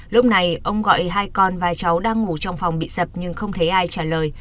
lúc này ông gọi hai con và cháu đang ngủ trong phòng bị sập nhưng không thấy ai trả lời